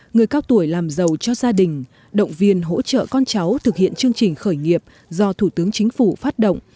người cao tuổi làm giàu cho gia đình động viên hỗ trợ con cháu thực hiện chương trình khởi nghiệp do thủ tướng chính phủ phát động